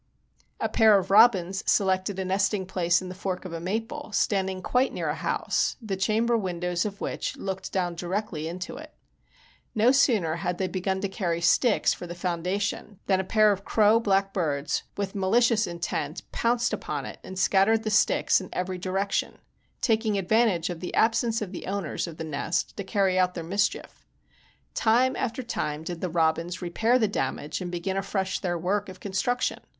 A pair of robins selected a nesting place in the fork of a maple, standing quite near a house, the chamber windows of which looked down directly into it. No sooner had they begun to carry sticks for the foundation, than a pair of crow black birds, with malicious intent, pounced upon it and scattered the sticks in every direction, taking advantage of the absence of the owners of the nest to carry out their mischief. Time after time did the robins repair the damage and begin afresh their work of construction.